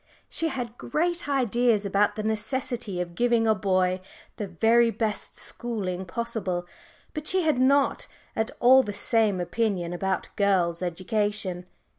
She had great ideas about the necessity of giving a boy the very best schooling possible, but she had not at all the same opinion about girls' education.